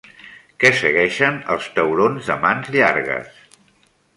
Què segueixen els taurons de mans llargues?